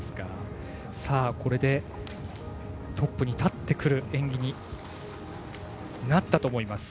これでトップに立ってくる演技になったと思います。